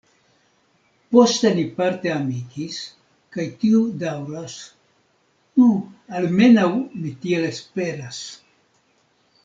Poste ni parte amikis kaj tio daŭras nu, almenaŭ mi tiel esperas.